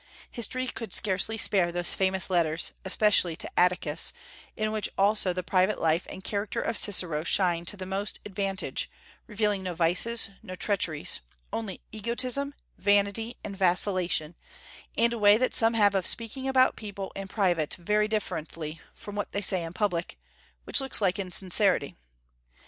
History could scarcely spare those famous letters, especially to Atticus, in which also the private life and character of Cicero shine to the most advantage, revealing no vices, no treacheries, only egotism, vanity, and vacillation, and a way that some have of speaking about people in private very differently from what they say in public, which looks like insincerity.